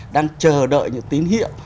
đang chờ đợi những tín hiệu